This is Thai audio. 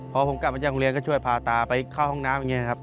พอผมกลับมาจากโรงเรียนก็ช่วยพาตาไปเข้าห้องน้ำอย่างนี้ครับ